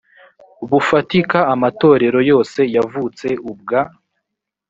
bufatika amatorero yose yavutse ubwa